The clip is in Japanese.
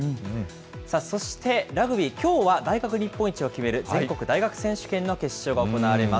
そして、ラグビー、きょうは大学日本一を決める全国大学選手権の決勝が行われます。